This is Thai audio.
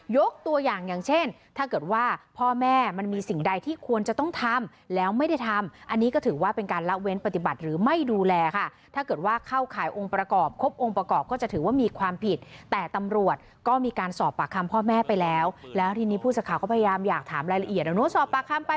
ยกตัวอย่างอย่างเช่นถ้าเกิดว่าพ่อแม่มันมีสิ่งใดที่ควรจะต้องทำแล้วไม่ได้ทำอันนี้ก็ถือว่าเป็นการละเว้นปฏิบัติหรือไม่ดูแลค่ะถ้าเกิดว่าเข้าขายองค์ประกอบครบองค์ประกอบก็จะถือว่ามีความผิดแต่ตำรวจก็มีการสอบปากคำพ่อแม่ไปแล้วแล้วทีนี้ผู้สื่อข่าวก็พยายามอยากถามรายละเอียดเดี๋ยวหนูสอบปากคำไป